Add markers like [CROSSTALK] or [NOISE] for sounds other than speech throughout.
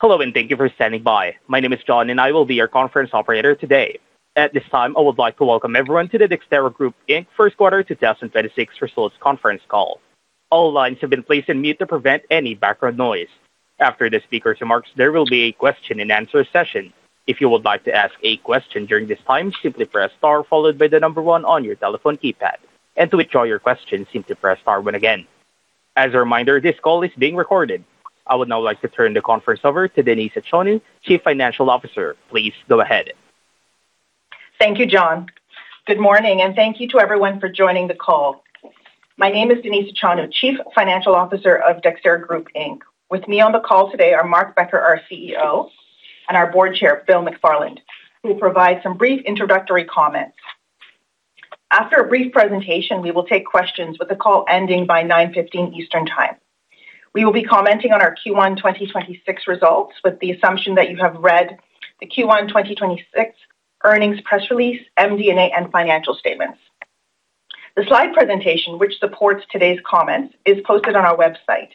Hello, and thank you for standing by. My name is John, and I will be your conference operator today. At this time, I would like to welcome everyone to the Dexterra Group Inc First Quarter 2026 Results Conference Call. All lines have been placed in mute to prevent any background noise. After the speaker's remarks, there will be a question-and-answer session. If you would like to ask a question during this time, simply press star followed by the number one on your telephone keypad. To withdraw your question, simply press star one again. As a reminder, this call is being recorded. I would now like to turn the conference over to Denise Achonu, Chief Financial Officer. Please go ahead. Thank you, John. Good morning, and thank you to everyone for joining the call. My name is Denise Achonu, Chief Financial Officer of Dexterra Group Inc. With me on the call today are Mark Becker, our CEO, and our Board Chair, Bill McFarland, who will provide some brief introductory comments. After a brief presentation, we will take questions with the call ending by 9:15 A.M. Eastern Time. We will be commenting on our Q1 2026 results with the assumption that you have read the Q1 2026 earnings press release, MD&A, and financial statements. The slide presentation, which supports today's comments, is posted on our website,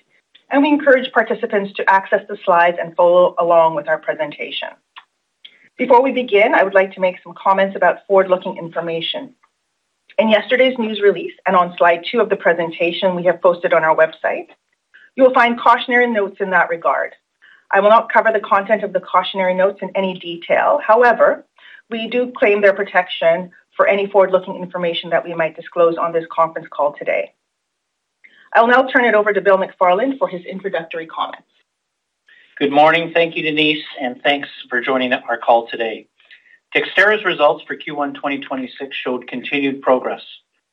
and we encourage participants to access the slides and follow along with our presentation. Before we begin, I would like to make some comments about forward-looking information. In yesterday's news release and on slide two of the presentation we have posted on our website, you will find cautionary notes in that regard. I will not cover the content of the cautionary notes in any detail. We do claim their protection for any forward-looking information that we might disclose on this conference call today. I will now turn it over to Bill McFarland for his introductory comments. Good morning. Thank you, Denise, and thanks for joining our call today. Dexterra's results for Q1 2026 showed continued progress,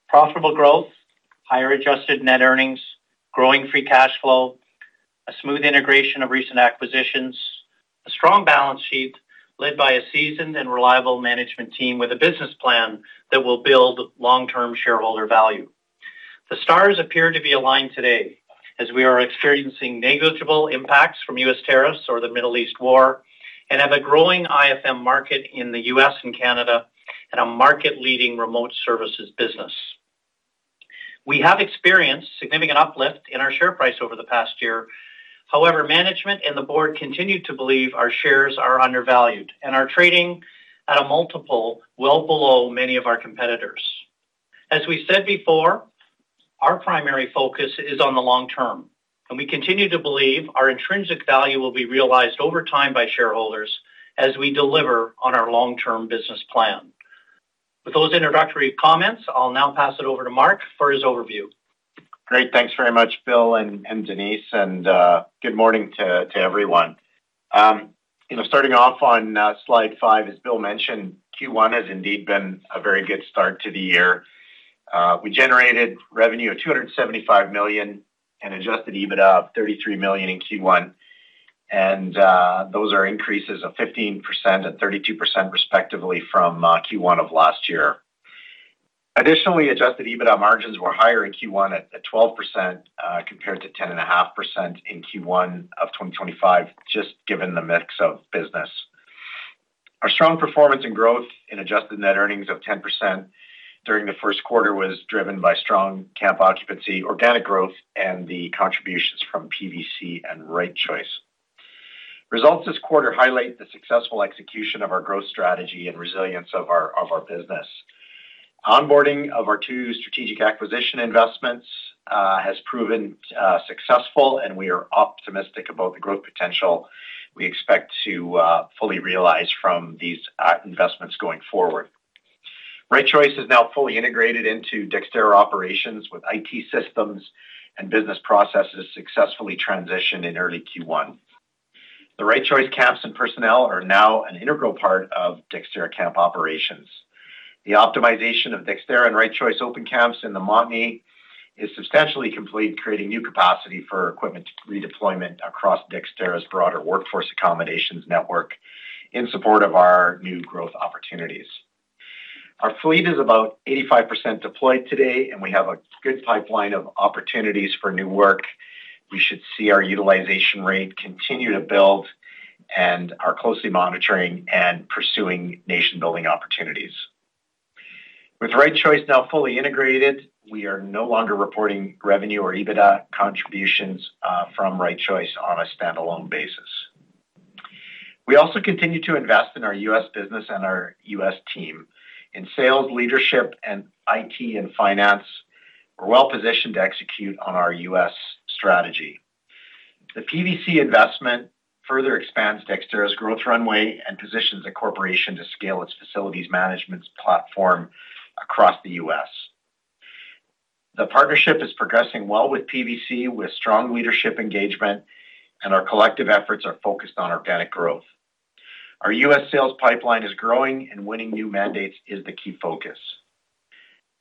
profitable growth, higher Adjusted net earnings, growing free cash flow, a smooth integration of recent acquisitions, a strong balance sheet led by a seasoned and reliable management team with a business plan that will build long-term shareholder value. The stars appear to be aligned today as we are experiencing negligible impacts from U.S. tariffs or the Middle East war and have a growing IFM market in the U.S. and Canada and a market-leading remote services business. We have experienced significant uplift in our share price over the past year. Management and the board continue to believe our shares are undervalued and are trading at a multiple well below many of our competitors. As we said before, our primary focus is on the long term, and we continue to believe our intrinsic value will be realized over time by shareholders as we deliver on our long-term business plan. With those introductory comments, I'll now pass it over to Mark for his overview. Great. Thanks very much, Bill and Denise, good morning to everyone. You know, starting off on slide five, as Bill mentioned, Q1 has indeed been a very good start to the year. We generated revenue of 275 million and Adjusted EBITDA of 33 million in Q1, those are increases of 15% and 32% respectively from Q1 of last year. Additionally, Adjusted EBITDA margins were higher in Q1 at 12% compared to 10.5% in Q1 of 2025, just given the mix of business. Our strong performance and growth in Adjusted net earnings of 10% during the first quarter was driven by strong camp occupancy, organic growth, and the contributions from PVC and Right Choice. Results this quarter highlight the successful execution of our growth strategy and resilience of our business. Onboarding of our two strategic acquisition investments has proven successful, and we are optimistic about the growth potential we expect to fully realize from these investments going forward. Right Choice is now fully integrated into Dexterra operations with IT systems and business processes successfully transitioned in early Q1. The Right Choice camps and personnel are now an integral part of Dexterra camp operations. The optimization of Dexterra and Right Choice open camps in Manning, is substantially complete, creating new capacity for equipment redeployment across Dexterra's broader workforce accommodations network in support of our new growth opportunities. Our fleet is about 85% deployed today, and we have a good pipeline of opportunities for new work. We should see our utilization rate continue to build and are closely monitoring and pursuing nation-building opportunities. With Right Choice now fully integrated, we are no longer reporting revenue or EBITDA contributions from Right Choice on a standalone basis. We also continue to invest in our U.S. business and our U.S. team. In sales leadership and IT and finance, we're well-positioned to execute on our U.S. strategy. The PVC investment further expands Dexterra's growth runway and positions the corporation to scale its Facilities Management platform across the U.S. The partnership is progressing well with PVC with strong leadership engagement, and our collective efforts are focused on organic growth. Our U.S. sales pipeline is growing, and winning new mandates is the key focus.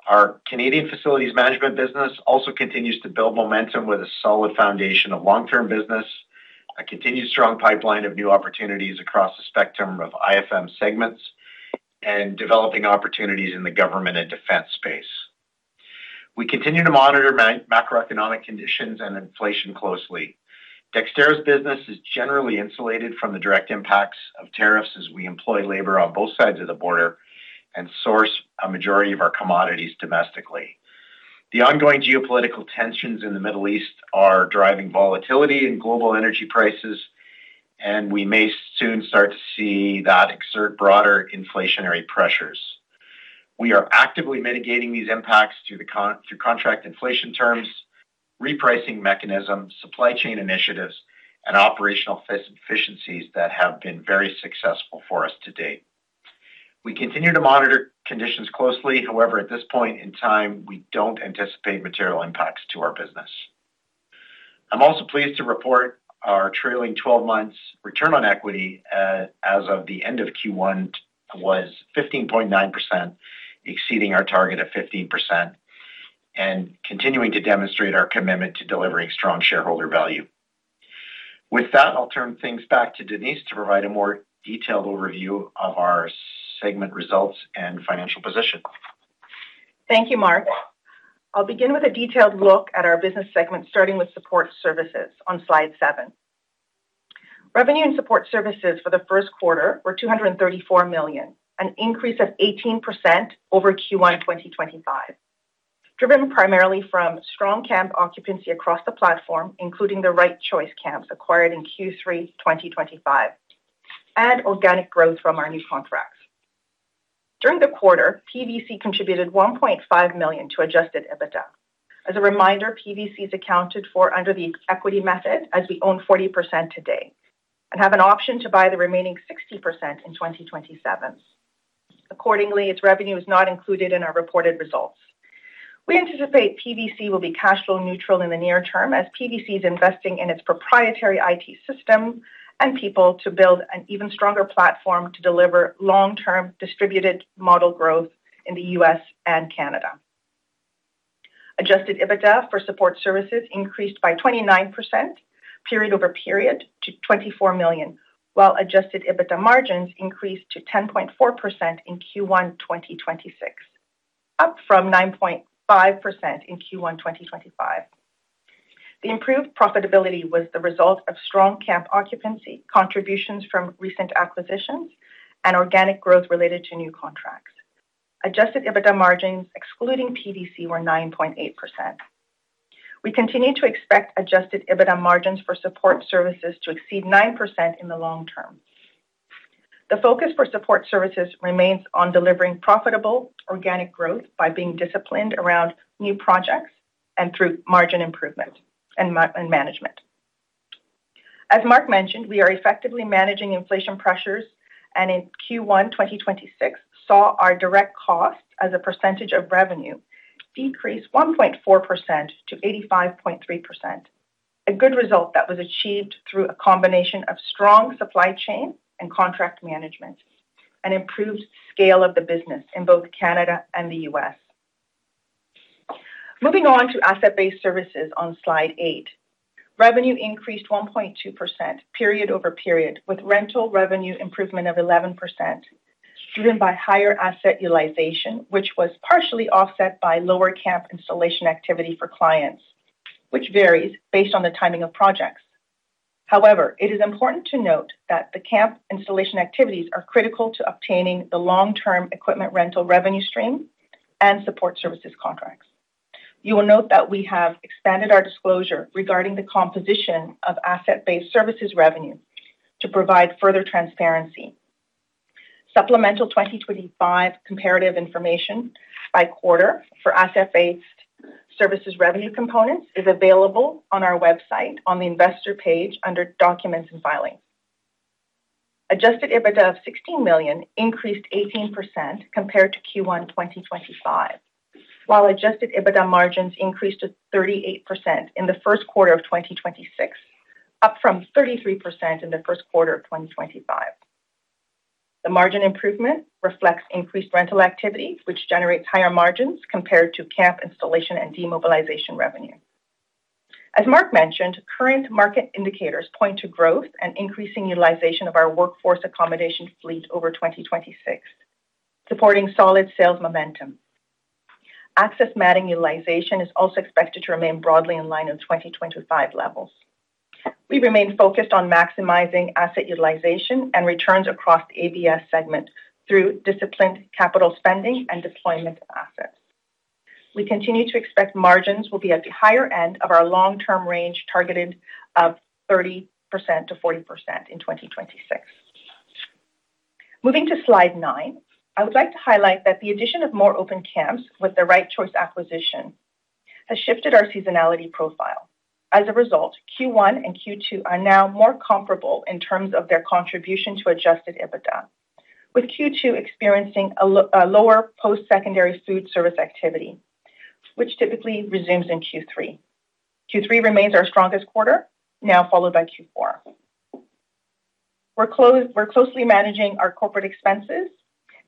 Our Canadian Facilities Management business also continues to build momentum with a solid foundation of long-term business, a continued strong pipeline of new opportunities across the spectrum of IFM segments, and developing opportunities in the government and defense space. We continue to monitor macroeconomic conditions and inflation closely. Dexterra's business is generally insulated from the direct impacts of tariffs as we employ labor on both sides of the border and source a majority of our commodities domestically. The ongoing geopolitical tensions in the Middle East are driving volatility in global energy prices, and we may soon start to see that exert broader inflationary pressures. We are actively mitigating these impacts through contract inflation terms, repricing mechanisms, supply chain initiatives, and operational efficiencies that have been very successful for us to date. We continue to monitor conditions closely. At this point in time, we don't anticipate material impacts to our business. I'm also pleased to report our trailing 12 months return on equity as of the end of Q1 was 15.9%, exceeding our target of 15% and continuing to demonstrate our commitment to delivering strong shareholder value. With that, I'll turn things back to Denise to provide a more detailed overview of our segment results and financial position. Thank you, Mark. I'll begin with a detailed look at our business segment, starting with Support Services on slide seven. Revenue in Support Services for the first quarter were 234 million, an increase of 18% over Q1 2025. Driven primarily from strong camp occupancy across the platform, including the Right Choice camps acquired in Q3 2025, and organic growth from our new contracts. During the quarter, PVC contributed 1.5 million to Adjusted EBITDA. As a reminder, PVC is accounted for under the equity method as we own 40% today and have an option to buy the remaining 60% in 2027. Accordingly, its revenue is not included in our reported results. We anticipate PVC will be cash flow neutral in the near term as PVC is investing in its proprietary IT system and people to build an even stronger platform to deliver long-term distributed model growth in the U.S. and Canada. Adjusted EBITDA for support services increased by 29% period-over-period to 24 million, while Adjusted EBITDA margins increased to 10.4% in Q1 2026, up from 9.5% in Q1 2025. The improved profitability was the result of strong camp occupancy, contributions from recent acquisitions, and organic growth related to new contracts. Adjusted EBITDA margins excluding PVC were 9.8%. We continue to expect Adjusted EBITDA margins for support services to exceed 9% in the long term. The focus for Support Services remains on delivering profitable organic growth by being disciplined around new projects and through margin improvement and management. As Mark mentioned, we are effectively managing inflation pressures, and in Q1 2026, saw our direct costs as a percentage of revenue decrease 1.4% to 85.3%. A good result that was achieved through a combination of strong supply chain and contract management and improved scale of the business in both Canada and the U.S. Moving on to Asset-based services on slide eight. Revenue increased 1.2% period-over-period, with rental revenue improvement of 11% driven by higher asset utilization, which was partially offset by lower camp installation activity for clients, which varies based on the timing of projects. However, it is important to note that the camp installation activities are critical to obtaining the long-term equipment rental revenue stream and Support Services contracts. You will note that we have expanded our disclosure regarding the composition of Asset-based services revenue to provide further transparency. Supplemental 2025 comparative information by quarter for Asset-based services revenue components is available on our website on the investor page under Documents and Filings. Adjusted EBITDA of 16 million increased 18% compared to Q1 2025, while Adjusted EBITDA margins increased to 38% in the first quarter of 2026, up from 33% in the first quarter of 2025. The margin improvement reflects increased rental activity, which generates higher margins compared to camp installation and demobilization revenue. As Mark mentioned, current market indicators point to growth and increasing utilization of our workforce accommodation fleet over 2026, supporting solid sales momentum. Access matting utilization is also expected to remain broadly in line in 2025 levels. We remain focused on maximizing asset utilization and returns across the ABS segment through disciplined capital spending and deployment of assets. We continue to expect margins will be at the higher end of our long-term range targeted of 30%-40% in 2026. Moving to slide nine, I would like to highlight that the addition of more open camps with the Right Choice acquisition has shifted our seasonality profile. As a result, Q1 and Q2 are now more comparable in terms of their contribution to Adjusted EBITDA, with Q2 experiencing a lower post-secondary [INAUDIBLE] service activity, which typically resumes in Q3. Q3 remains our strongest quarter, now followed by Q4. We're closely managing our corporate expenses.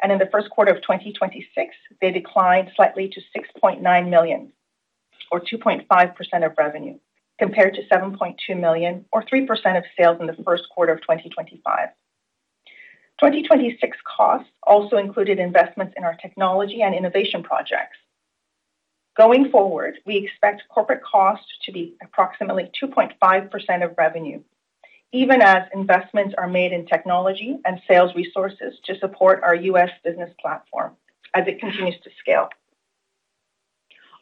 In the first quarter of 2026, they declined slightly to 6.9 million or 2.5% of revenue, compared to 7.2 million or 3% of sales in the first quarter of 2025. 2026 costs also included investments in our technology and innovation projects. Going forward, we expect corporate costs to be approximately 2.5% of revenue. Even as investments are made in technology and sales resources to support our U.S. business platform as it continues to scale.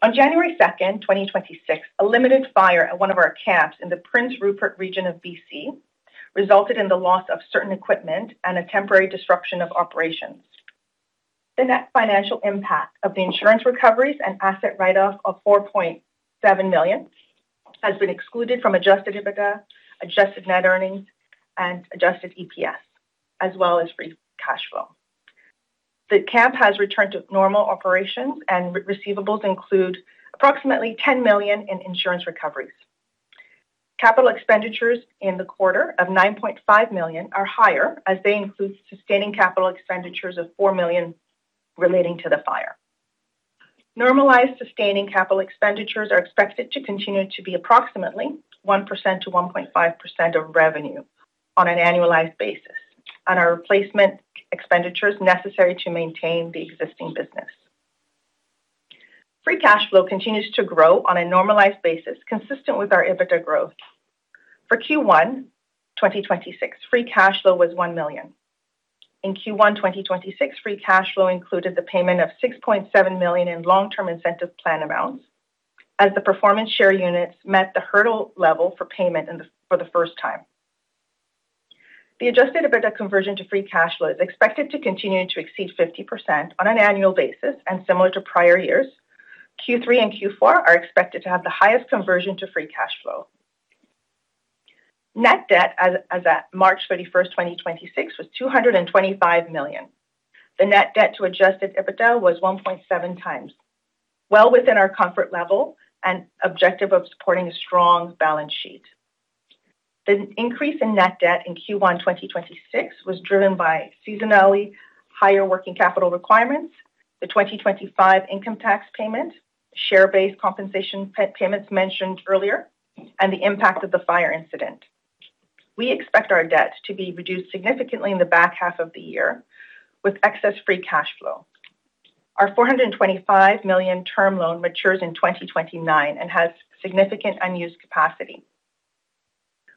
On January 2nd, 2026, a limited fire at one of our camps in the Prince Rupert region of B.C. resulted in the loss of certain equipment and a temporary disruption of operations. The net financial impact of the insurance recoveries and asset write-off of 4.7 million has been excluded from Adjusted EBITDA, Adjusted net earnings, and Adjusted EPS, as well as free cash flow. The camp has returned to normal operations, and receivables include approximately 10 million in insurance recovery. Capital expenditures in the quarter of 9.5 million are higher as they include sustaining capital expenditures of 4 million relating to the fire. Normalized sustaining capital expenditures are expected to continue to be approximately 1% to 1.5% of revenue on an annualized basis and are replacement expenditures necessary to maintain the existing business. Free cash flow continues to grow on a normalized basis, consistent with our EBITDA growth. For Q1 2026, free cash flow was 1 million. In Q1 2026, free cash flow included the payment of 6.7 million in long-term incentive plan amounts as the performance share units met the hurdle level for payment for the first time. The Adjusted EBITDA conversion to free cash flow is expected to continue to exceed 50% on an annual basis and similar to prior years. Q3 and Q4 are expected to have the highest conversion to free cash flow. Net debt as at March 31st, 2026 was 225 million. The net debt to Adjusted EBITDA was 1.7 times. Well within our comfort level and objective of supporting a strong balance sheet. The increase in net debt in Q1 2026 was driven by seasonally higher working capital requirements, the 2025 income tax payment, share-based compensation payments mentioned earlier, and the impact of the fire incident. We expect our debt to be reduced significantly in the back half of the year with excess free cash flow. Our 425 million term loan matures in 2029 and has significant unused capacity.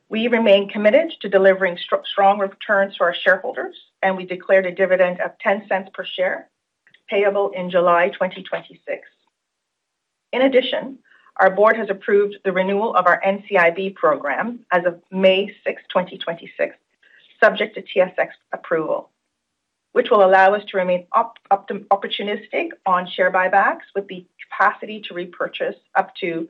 We remain committed to delivering strong returns for our shareholders, and we declared a dividend of 0.10 per share payable in July 2026. In addition, our board has approved the renewal of our NCIB program as of May 6th, 2026, subject to TSX approval, which will allow us to remain opportunistic on share buybacks with the capacity to repurchase up to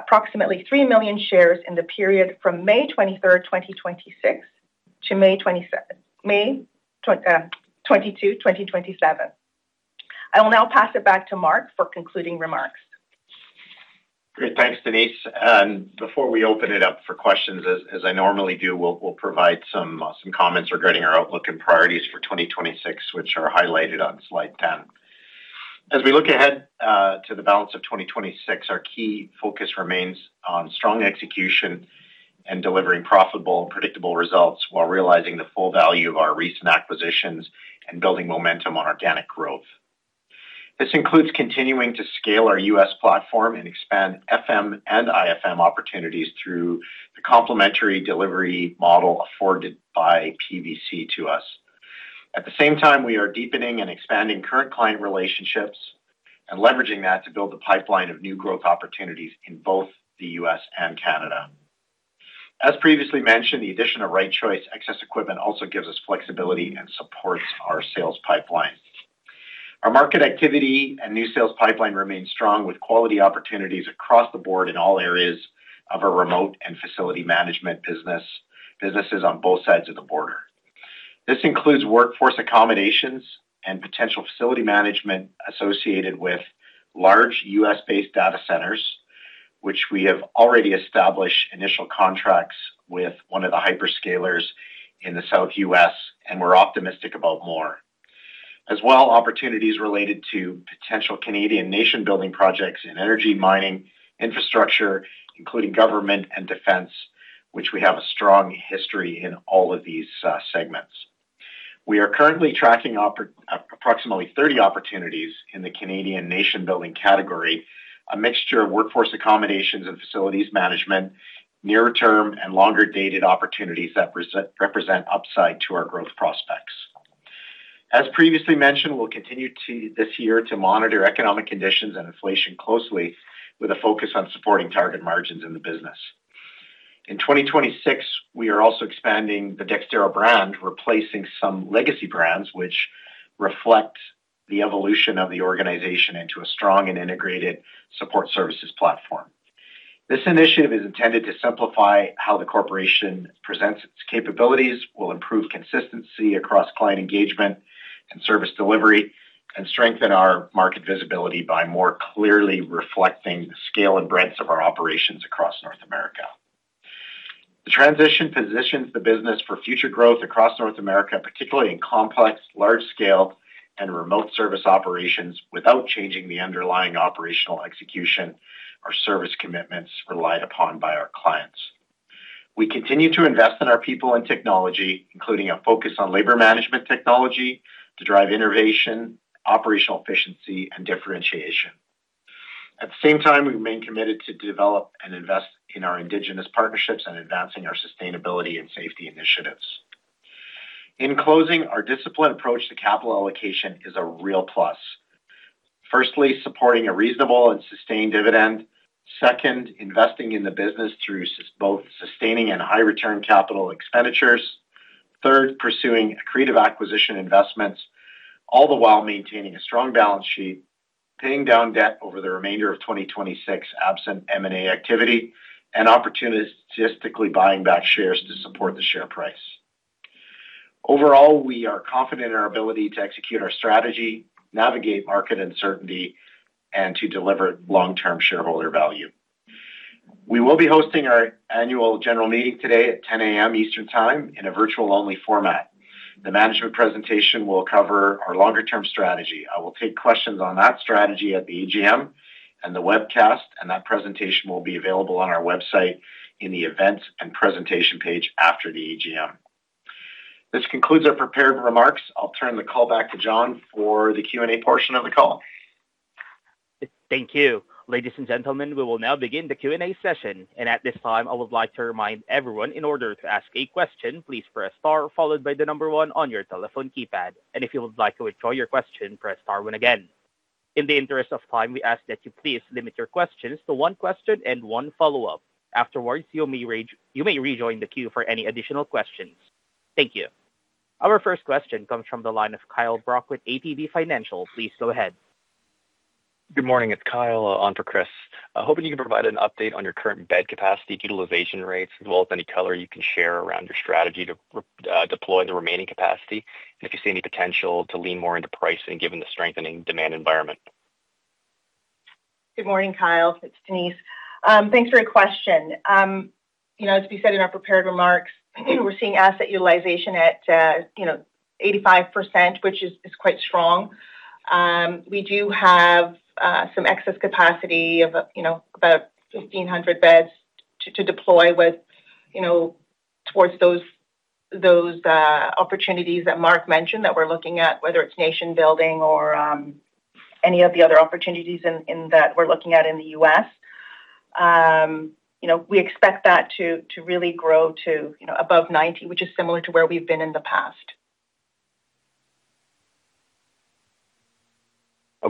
approximately 3 million shares in the period from May 23rd, 2026 to May 22, 2027. I will now pass it back to Mark for concluding remarks. Great. Thanks, Denise. Before we open it up for questions, as I normally do, we'll provide some comments regarding our outlook and priorities for 2026, which are highlighted on slide 10. As we look ahead to the balance of 2026, our key focus remains on strong execution and delivering profitable and predictable results while realizing the full value of our recent acquisitions and building momentum on organic growth. This includes continuing to scale our U.S. platform and expand FM and IFM opportunities through the complementary delivery model afforded by PVC to us. At the same time, we are deepening and expanding current client relationships and leveraging that to build a pipeline of new growth opportunities in both the U.S. and Canada. As previously mentioned, the addition of Right Choice excess equipment also gives us flexibility and supports our sales pipeline. Our market activity and new sales pipeline remains strong with quality opportunities across the board in all areas of our remote and facility management businesses on both sides of the border. This includes workforce accommodations and potential facility management associated with large U.S.-based data centers, which we have already established initial contracts with one of the hyperscalers in the South U.S., and we're optimistic about more. Opportunities related to potential Canadian nation-building projects in energy mining, infrastructure, including government and defense, which we have a strong history in all of these segments. We are currently tracking approximately 30 opportunities in the Canadian nation-building category, a mixture of workforce accommodations and facilities management, near term and longer-dated opportunities that represent upside to our growth prospects. As previously mentioned, we'll continue to this year to monitor economic conditions and inflation closely with a focus on supporting target margins in the business. In 2026, we are also expanding the Dexterra brand, replacing some legacy brands, which reflect the evolution of the organization into a strong and integrated Support Services platform. This initiative is intended to simplify how the corporation presents its capabilities, will improve consistency across client engagement and service delivery, and strengthen our market visibility by more clearly reflecting the scale and breadth of our operations across North America. The transition positions the business for future growth across North America, particularly in complex, large-scale, and remote service operations without changing the underlying operational execution or service commitments relied upon by our clients. We continue to invest in our people and technology, including a focus on labor management technology to drive innovation, operational efficiency, and differentiation. At the same time, we remain committed to develop and invest in our indigenous partnerships and advancing our sustainability and safety initiatives. In closing, our disciplined approach to capital allocation is a real plus. Firstly, supporting a reasonable and sustained dividend. Second, investing in the business through both sustaining and high return capital expenditures. Third, pursuing accretive acquisition investments, all the while maintaining a strong balance sheet, paying down debt over the remainder of 2026, absent M&A activity, and opportunistically buying back shares to support the share price. Overall, we are confident in our ability to execute our strategy, navigate market uncertainty, and to deliver long-term shareholder value. We will be hosting our annual general meeting today at 10:00 A.M. Eastern Time in a virtual-only format. The management presentation will cover our longer-term strategy. I will take questions on that strategy at the AGM and the webcast, and that presentation will be available on our website in the events and presentation page after the AGM. This concludes our prepared remarks. I'll turn the call back to John for the Q&A portion of the call. Thank you. Ladies and gentlemen, we will now begin the Q&A session. At this time, I would like to remind everyone in order to ask a question, please press star followed by the number one on your telephone keypad. If you would like to withdraw your question, press star one again. In the interest of time, we ask that you please limit your questions to one question and one follow-up. Afterwards, you may rejoin the queue for any additional questions. Thank you. Our first question comes from the line of Kyle Brock with ATB Financial. Please go ahead. Good morning. It's Kyle on for Chris. Hoping you can provide an update on your current bed capacity utilization rates, as well as any color you can share around your strategy to deploy the remaining capacity, and if you see any potential to lean more into pricing given the strengthening demand environment. Good morning, Kyle. It's Denise. Thanks for your question. You know, as we said in our prepared remarks, we're seeing asset utilization at, you know, 85%, which is quite strong. We do have some excess capacity of, you know, about 1,500 beds to deploy with, you know, towards those opportunities that Mark mentioned that we're looking at, whether it's nation-building or any of the other opportunities in that we're looking at in the U.S. You know, we expect that to really grow to, you know, above 90, which is similar to where we've been in the past.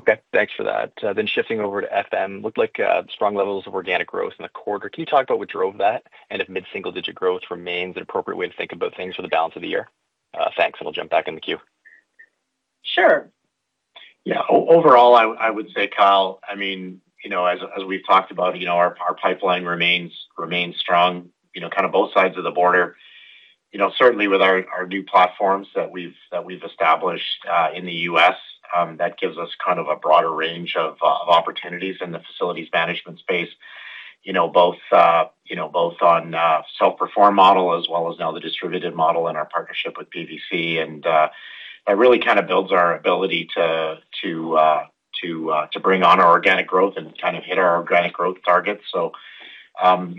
Okay. Thanks for that. Shifting over to FM. Looked like strong levels of organic growth in the quarter. Can you talk about what drove that, and if mid-single-digit growth remains an appropriate way to think about things for the balance of the year? Thanks, and I'll jump back in the queue. Sure. Yeah. Overall, I would say, Kyle, I mean, you know, as we've talked about, you know, our pipeline remains strong, you know, kind of both sides of the border. You know, certainly with our new platforms that we've established in the U.S., that gives us kind of a broader range of opportunities in the facilities management space. You know, both on self-perform model as well as now the distributed model and our partnership with PVC. That really kind of builds our ability to bring on our organic growth and kind of hit our organic growth targets. You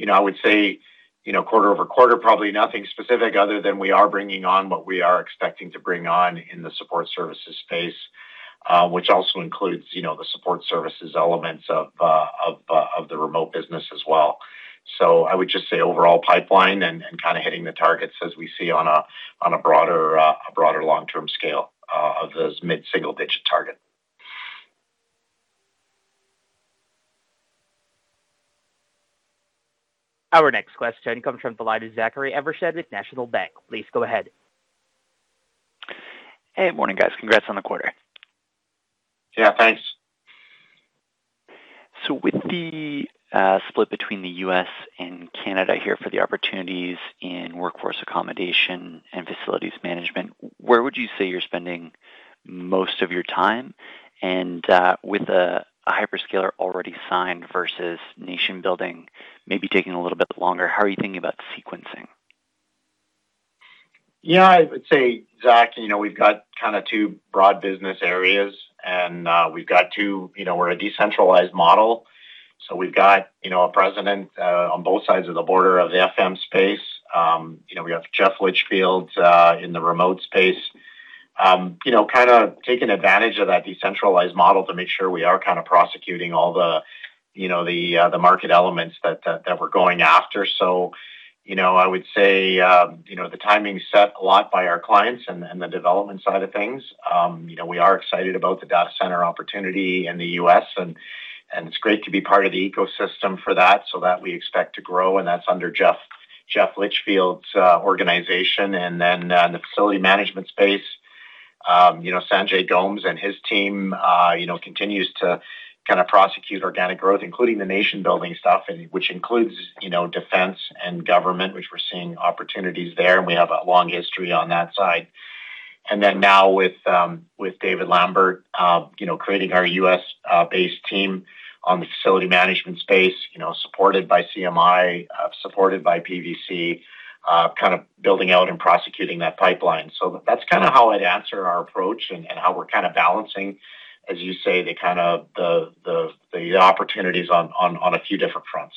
know, I would say, you know, quarter-over-quarter, probably nothing specific other than we are bringing on what we are expecting to bring on in the Support Services space, which also includes, you know, the Support Services elements of the remote business as well. I would just say overall pipeline and kind of hitting the targets as we see on a broader long-term scale of those mid-single-digit target. Our next question comes from the line of Zachary Evershed with National Bank. Please go ahead. Hey. Morning, guys. Congrats on the quarter. Yeah, thanks. With the split between the U.S. and Canada here for the opportunities in workforce accommodation and facilities management, where would you say you're spending most of your time? With a hyperscaler already signed versus nation-building maybe taking a little bit longer, how are you thinking about the sequencing? Yeah. I would say, Zach, you know, we've got kinda two broad business areas and we've got two, you know, we're a decentralized model, so we've got, you know, a president on both sides of the border of the FM space. You know, we have Jeff Litchfield in the remote space. You know, kinda taking advantage of that decentralized model to make sure we are kinda prosecuting all the, you know, the market elements that we're going after. I would say, you know, the timing's set a lot by our clients and the development side of things. You know, we are excited about the data center opportunity in the U.S., and it's great to be part of the ecosystem for that, so that we expect to grow, and that's under Jeff Litchfield's organization. In the facility management space, you know, Sanjay Gomes and his team, you know, continues to kinda prosecute organic growth, including the nation-building stuff and which includes, you know, defense and government, which we're seeing opportunities there, and we have a long history on that side. Now with David Lambert, you know, creating our U.S. based team on the facility management space, you know, supported by CMI, supported by PVC, kind of building out and prosecuting that pipeline. That's kinda how I'd answer our approach and how we're kinda balancing, as you say, the kind of the opportunities on a few different fronts.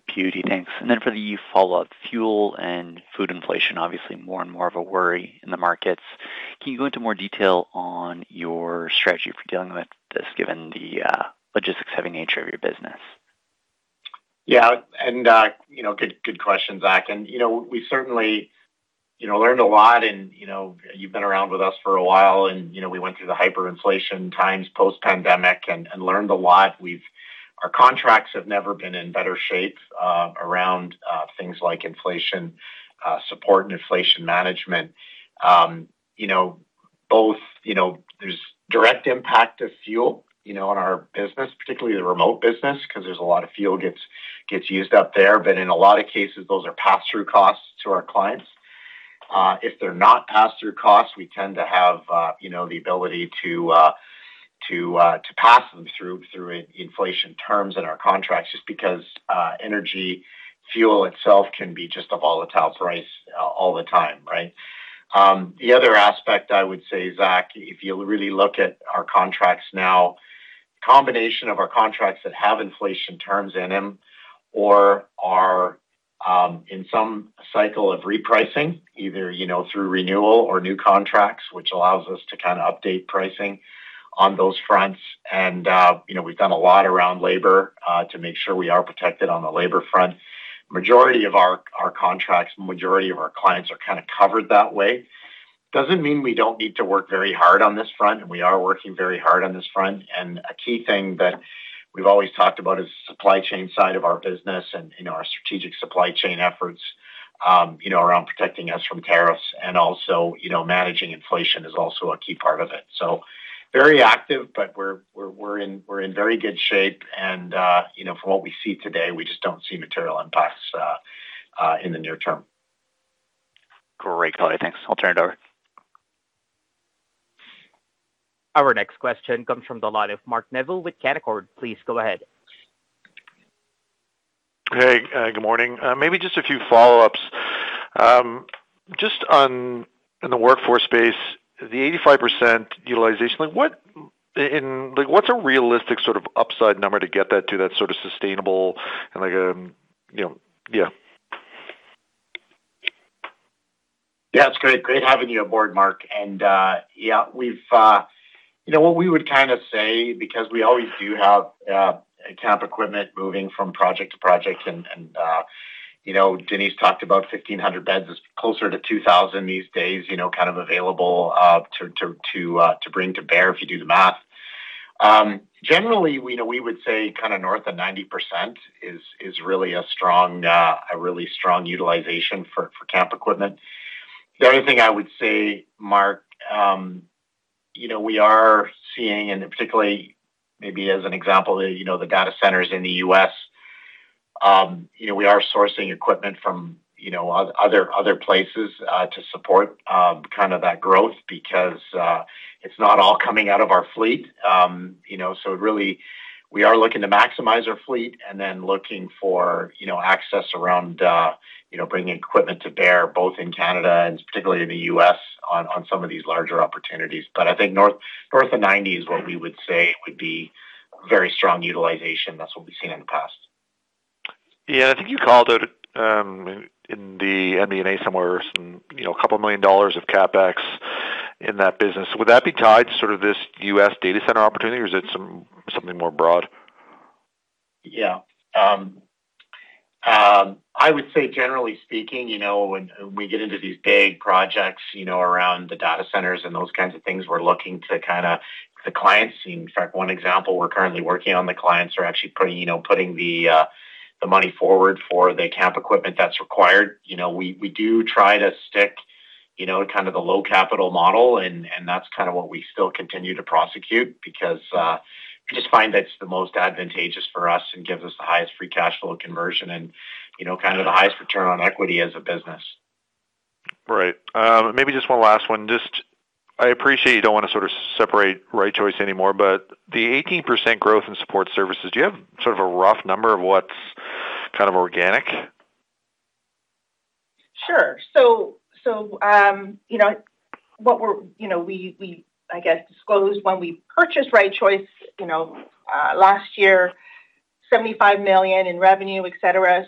[INAUDIBLE] thanks. For the follow-up fuel and food inflation, obviously more and more of a worry in the markets. Can you go into more detail on your strategy for dealing with this, given the logistics-heavy nature of your business? Yeah. You know, good question, Zach. You know, we certainly, you know, learned a lot and, you know, you've been around with us for a while and, you know, we went through the hyperinflation times post-pandemic and learned a lot. Our contracts have never been in better shape around things like inflation support and inflation management. You know, both, you know, there's direct impact of fuel, you know, on our business, particularly the remote business, 'cause there's a lot of fuel gets used up there. In a lot of cases, those are pass-through costs to our clients. If they're not pass-through costs, we tend to have, you know, the ability to pass them through inflation terms in our contracts just because energy fuel itself can be just a volatile price all the time, right? The other aspect I would say, Zach, if you really look at our contracts now, combination of our contracts that have inflation terms in them or are in some cycle of repricing, either, you know, through renewal or new contracts, which allows us to update pricing on those fronts. You know, we've done a lot around labor to make sure we are protected on the labor front. Majority of our contracts, majority of our clients are covered that way. Doesn't mean we don't need to work very hard on this front, and we are working very hard on this front. A key thing that we've always talked about is the supply chain side of our business and, you know, our strategic supply chain efforts, you know, around protecting us from tariffs. Also, you know, managing inflation is also a key part of it. Very active, but we're in very good shape and, you know, from what we see today, we just don't see material impacts in the near term. Great. No, thanks. I'll turn it over. Our next question comes from the line of Mark Neville with Canaccord. Please go ahead. Hey, good morning. Maybe just a few follow-ups. Just on, in the workforce space, the 85% utilization, what's a realistic sort of upside number to get that to that sort of sustainable and like, you know? Yeah. Yeah. It's great having you aboard, Mark. Yeah, we've, you know, what we would kinda say, because we always do have camp equipment moving from project to project and, you know, Denise talked about 1,500 beds. It's closer to 2,000 these days, you know, kind of available to bring to bear if you do the math. Generally, we know, we would say kinda north of 90% is really a strong, a really strong utilization for camp equipment. The other thing I would say, Mark, you know, we are seeing, and particularly maybe as an example, you know, the data centers in the U.S., you know, we are sourcing equipment from other places to support kind of that growth because it's not all coming out of our fleet. You know, so really we are looking to maximize our fleet and then looking for, you know, access around, you know, bringing equipment to bear both in Canada and particularly in the U.S. on some of these larger opportunities. I think north of 90 is what we would say would be very strong utilization. That's what we've seen in the past. Yeah. I think you called out in the MD&A somewhere some, you know, 2 million dollars of CapEx in that business. Would that be tied to sort of this U.S. data center opportunity, or is it something more broad? Yeah. I would say generally speaking, you know, when we get into these big projects, you know, around the data centers and those kinds of things, we're looking to kinda the clients. In fact, one example we're currently working on, the clients are actually putting, you know, putting the money forward for the camp equipment that's required. You know, we do try to stick, you know, to kind of the low capital model and that's kind of what we still continue to prosecute because we just find that it's the most advantageous for us and gives us the highest free cash flow conversion and, you know, kind of the highest return on equity as a business. Right. Maybe just one last one. Just I appreciate you don't wanna sort of separate Right Choice anymore, but the 18% growth in Support Services, do you have sort of a rough number of what's kind of organic? Sure. You know, we, I guess, disclosed when we purchased Right Choice, you know, last year, 75 million in revenue, et cetera.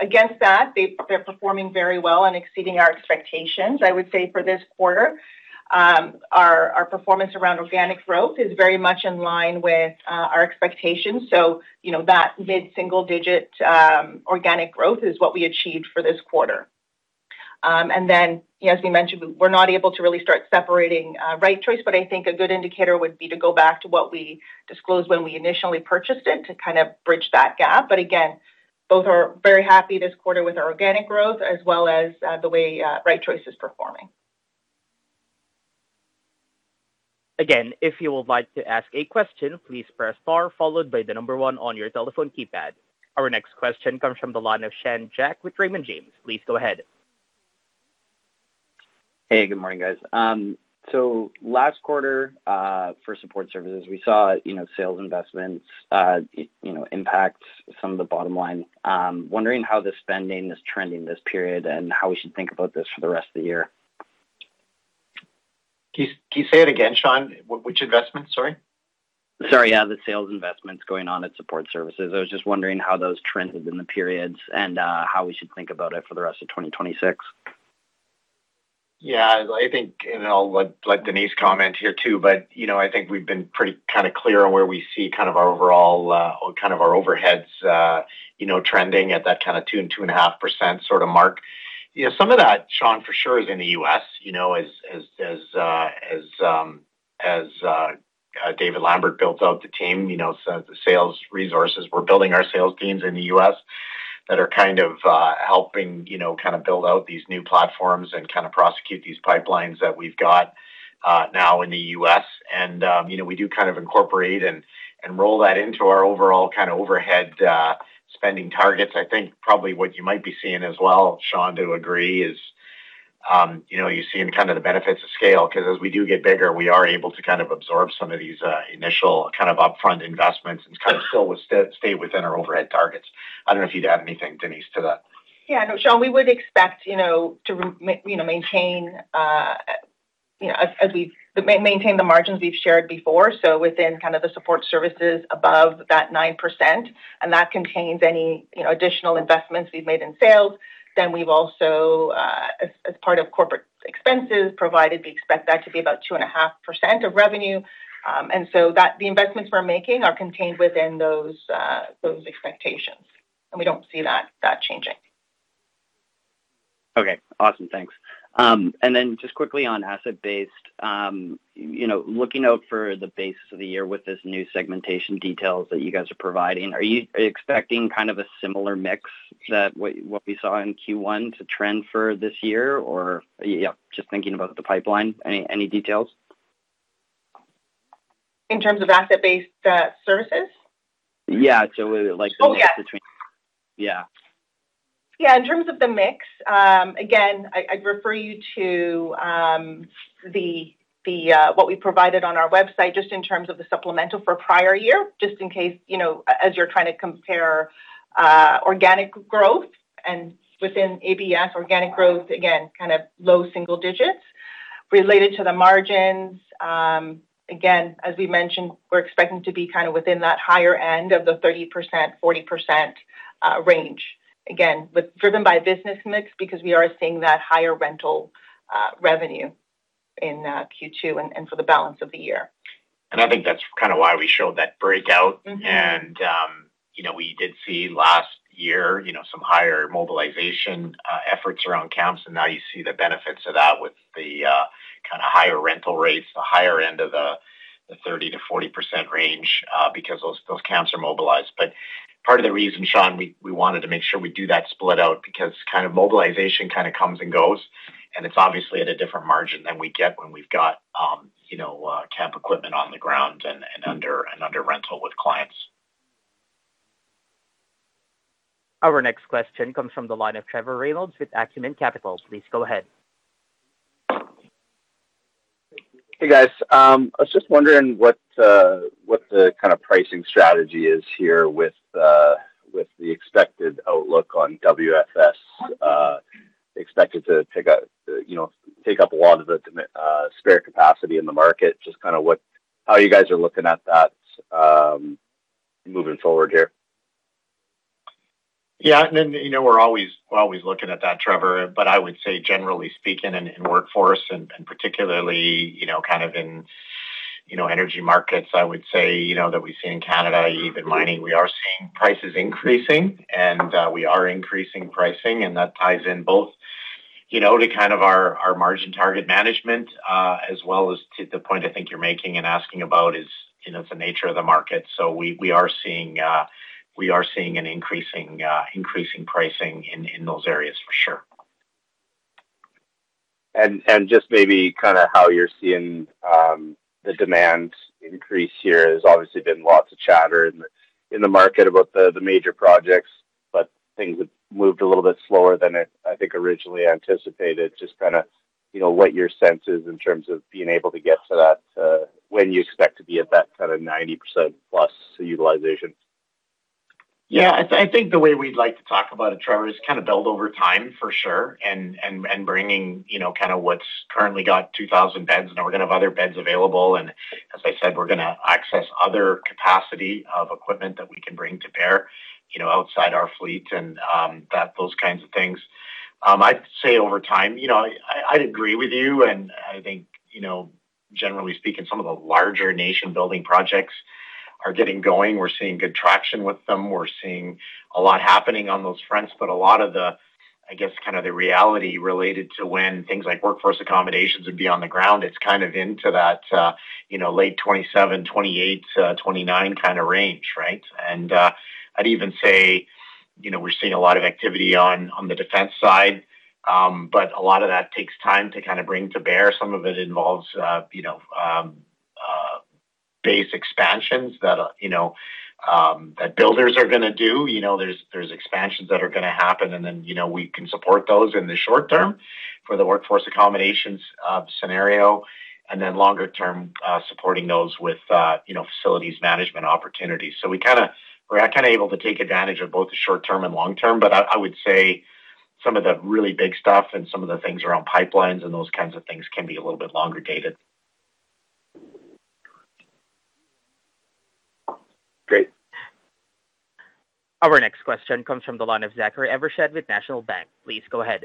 Against that, they're performing very well and exceeding our expectations. I would say for this quarter, our performance around organic growth is very much in line with our expectations. You know, that mid-single digit organic growth is what we achieved for this quarter. You know, as we mentioned, we're not able to really start separating Right Choice, but I think a good indicator would be to go back to what we disclosed when we initially purchased it to kind of bridge that gap. Again, both are very happy this quarter with our organic growth as well as the way Right Choice is performing. Again, if you would like to ask a question, please press star followed by the number one on your telephone keypad. Our next question comes from the line of Sean Jack with Raymond James. Please go ahead. Hey, good morning, guys. Last quarter, for Support Services, we saw, you know, sales investments, you know, impact some of the bottom line. Wondering how the spending is trending this period and how we should think about this for the rest of the year. Can you say it again, Sean? Which investment? Sorry. Sorry, yeah, the sales investments going on at Support Services. I was just wondering how those trends within the periods and how we should think about it for the rest of 2026. Yeah. I think, I'll let Denise comment here too, but, you know, I think we've been pretty kinda clear on where we see kind of our overall kind of our overheads, you know, trending at that kinda 2%-2.5% sorta mark. You know, some of that, Sean, for sure is in the U.S. You know, as David Lambert builds out the team, you know, sales resources. We're building our sales teams in the U.S. that are kind of helping, you know, kinda build out these new platforms and kinda prosecute these pipelines that we've got now in the U.S. You know, we do kind of incorporate and roll that into our overall kinda overhead spending targets. I think probably what you might be seeing as well, Sean, to agree, is, you know, you're seeing kind of the benefits of scale 'cause as we do get bigger, we are able to kind of absorb some of these initial kind of upfront investments and kind of stay within our overhead targets. I don't know if you'd add anything, Denise, to that? No, Sean, we would expect to maintain the margins we've shared before, so within kind of the Support Services above that 9%, and that contains any additional investments we've made in sales. We've also, as part of corporate expenses, provided we expect that to be about 2.5% of revenue. The investments we're making are contained within those expectations, and we don't see that changing. Okay. Awesome. Thanks. Then just quickly on Asset-based, you know, looking out for the basis of the year with this new segmentation details that you guys are providing, are you expecting kind of a similar mix that what we saw in Q1 to trend for this year, or yeah, just thinking about the pipeline, any details? In terms of Asset-based services? Yeah. Like the mix between. Oh, yeah. Yeah. Yeah. In terms of the mix, again, I'd refer you to the what we provided on our website just in terms of the supplemental for prior year, just in case, you know, as you're trying to compare organic growth and within ABS organic growth, again, kind of low single digits. Related to the margins, again, as we mentioned, we're expecting to be kind of within that higher end of the 30%-40% range. Again, driven by business mix because we are seeing that higher rental revenue in Q2 and for the balance of the year. I think that's kinda why we showed that breakout. You know, we did see last year, you know, some higher mobilization efforts around camps and now you see the benefits of that with the kind of higher rental rates, the higher end of the 30%-40% range, because those camps are mobilized. Part of the reason, Sean, we wanted to make sure we do that split out because kind of mobilization kind of comes and goes, and it's obviously at a different margin than we get when we've got, you know, camp equipment on the ground and under rental with clients. Our next question comes from the line of Trevor Reynolds with Acumen Capital. Please go ahead. Hey, guys. I was just wondering what the kinda pricing strategy is here with the expected outlook on WAFES, expected to, you know, take up a lot of the spare capacity in the market. Just kinda how you guys are looking at that moving forward here? Yeah. You know, we're always looking at that, Trevor. I would say generally speaking in workforce and particularly, you know, kind of in, you know, energy markets, I would say, you know, that we see in Canada, even mining, we are seeing prices increasing, and we are increasing pricing, and that ties in both, you know, to kind of our margin target management, as well as to the point I think you're making and asking about is, you know, the nature of the market. We are seeing an increasing pricing in those areas for sure. Just maybe kinda how you're seeing the demand increase here. There's obviously been lots of chatter in the market about the major projects, but things have moved a little bit slower than I think originally anticipated. Just kinda, you know, what your sense is in terms of being able to get to that when you expect to be at that kinda 90% plus utilization. Yeah. I think the way we'd like to talk about it, Trevor, is kinda build over time for sure and bringing, you know, kinda what's currently got 2,000 beds, now we're gonna have other beds available. As I said, we're gonna access other capacity of equipment that we can bring to bear, you know, outside our fleet and those kinds of things. I'd say over time. You know, I'd agree with you, I think, you know, generally speaking, some of the larger nation-building projects are getting going. We're seeing good traction with them. We're seeing a lot happening on those fronts. A lot of the, I guess, kind of the reality related to when things like Workforce accommodations would be on the ground, it's into that late 2027, 2028, 2029 range. I'd even say we're seeing a lot of activity on the defense side. A lot of that takes time to bring to bear. Some of it involves base expansions that builders are gonna do. There's expansions that are gonna happen and then we can support those in the short term for the Workforce accommodations scenario, and then longer term supporting those with facilities management opportunities. We are kinda able to take advantage of both the short term and long term, but I would say. Some of the really big stuff and some of the things around pipelines and those kinds of things can be a little bit longer dated. Great. Our next question comes from the line of Zachary Evershed with National Bank. Please go ahead.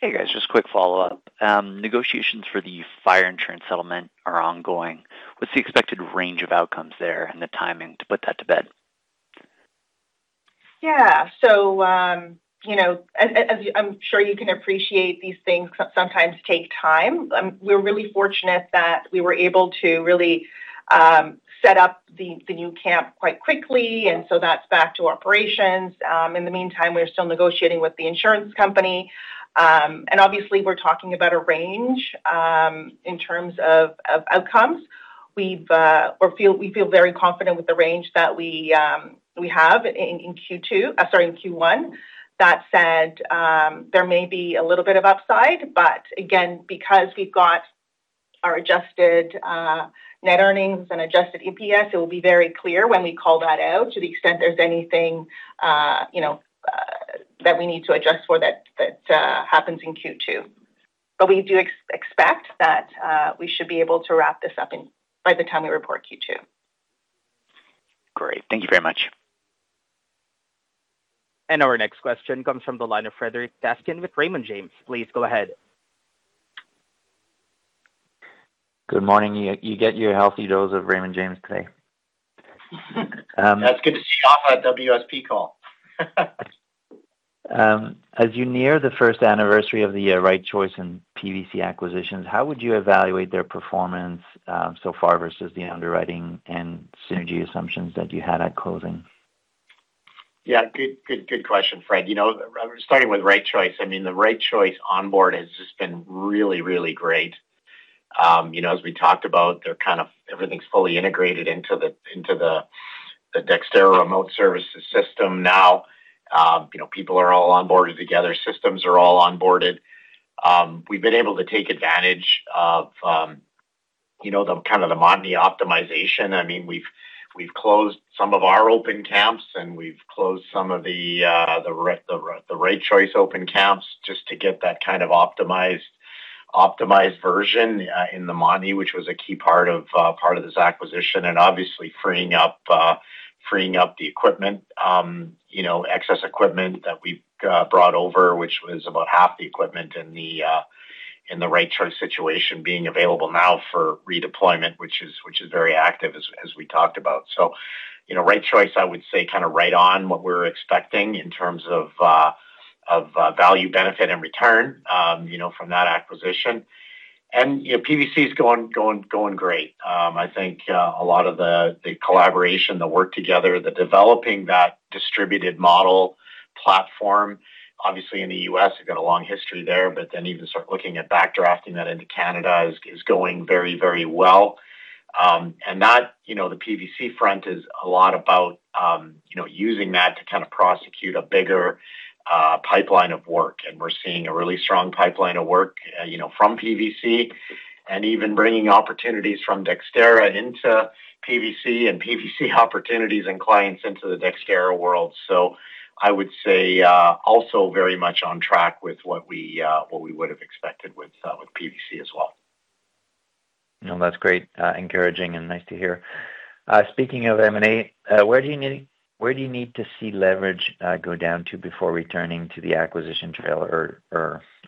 Hey, guys. Just a quick follow-up. Negotiations for the fire insurance settlement are ongoing. What's the expected range of outcomes there and the timing to put that to bed? Yeah. You know, as I'm sure you can appreciate, these things sometimes take time. We're really fortunate that we were able to really set up the new camp quite quickly, that's back to operations. In the meantime, we are still negotiating with the insurance company. Obviously, we're talking about a range in terms of outcomes. We feel very confident with the range that we have in Q2, sorry, in Q1. That said, there may be a little bit of upside, again, because we've got our Adjusted net earnings and Adjusted EPS, it will be very clear when we call that out to the extent there's anything, you know, that we need to adjust for that happens in Q2. We do expect that we should be able to wrap this up in, by the time we report Q2. Great. Thank you very much. Our next question comes from the line of Frederic Bastien with Raymond James. Please go ahead. Good morning. You get your healthy dose of Raymond James today. That's good to see on a WSP call. As you near the first anniversary of the Right Choice and PVC acquisitions, how would you evaluate their performance so far versus the underwriting and synergy assumptions that you had at closing? Yeah. Good question, Fred. You know, starting with Right Choice, I mean, the Right Choice onboard has just been really great. You know, as we talked about, they're kind of, everything's fully integrated into the Dexterra remote services system now. You know, people are all onboarded together. Systems are all onboarded. We've been able to take advantage of, you know, the kind of the Manning optimization. I mean, we've closed some of our open camps, and we've closed some of the Right Choice open camps just to get that kind of optimized version in the Manning, which was a key part of this acquisition. Obviously freeing up freeing up the equipment, excess equipment that we've brought over, which was about half the equipment in the Right Choice situation being available now for redeployment, which is very active as we talked about. Right Choice, I would say kind of right on what we're expecting in terms of value, benefit and return from that acquisition. PVC is going great. I think a lot of the collaboration, the work together, the developing that distributed model platform, obviously in the U.S., they've got a long history there, but then even start looking at back drafting that into Canada is going very, very well. That, you know, the PVC front is a lot about, you know, using that to kind of prosecute a bigger pipeline of work. We're seeing a really strong pipeline of work, you know, from PVC and even bringing opportunities from Dexterra into PVC and PVC opportunities and clients into the Dexterra world. I would say, also very much on track with what we would have expected with PVC as well. No, that's great, encouraging and nice to hear. Speaking of M&A, where do you need to see leverage go down to before returning to the acquisition trail? Or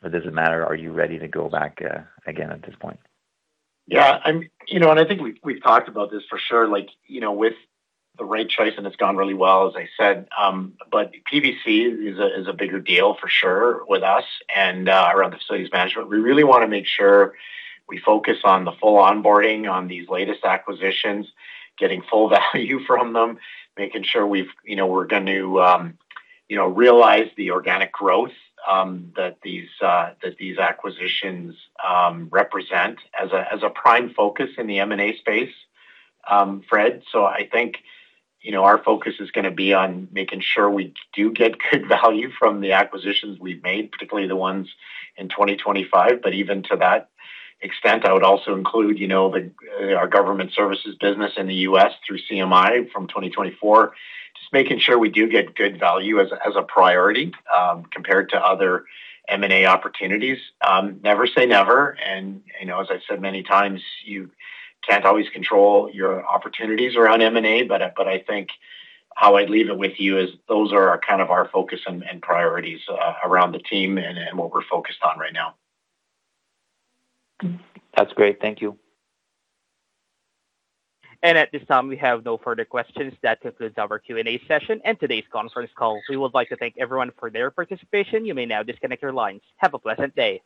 does it matter? Are you ready to go back again at this point? You know, and I think we've talked about this for sure, like, you know, with the Right Choice and it's gone really well, as I said. PVC is a bigger deal for sure with us and around facilities management. We really wanna make sure we focus on the full onboarding on these latest acquisitions, getting full value from them, making sure we've, you know, we're going to, you know, realize the organic growth that these, that these acquisitions, represent as a prime focus in the M&A space, Fred. I think, you know, our focus is gonna be on making sure we do get good value from the acquisitions we've made, particularly the ones in 2025. Even to that extent, I would also include, you know, the our government services business in the U.S. through CMI from 2024. Just making sure we do get good value as a priority compared to other M&A opportunities. Never say never and, you know, as I've said many times, you can't always control your opportunities around M&A. I think how I'd leave it with you is those are our kind of our focus and priorities around the team and what we're focused on right now. That's great. Thank you. At this time, we have no further questions. That concludes our Q&A session and today's conference call. We would like to thank everyone for their participation. You may now disconnect your lines. Have a pleasant day.